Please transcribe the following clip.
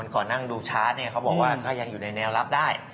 ก่อนนั่งดูชาร์ทเขาบอกว่าวันนี้ก็ยังอยู่ในแนวรับได้